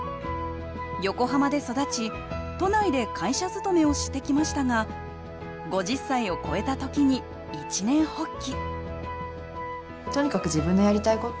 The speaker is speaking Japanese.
横浜で育ち都内で会社勤めをしてきましたが５０歳を超えた時に一念発起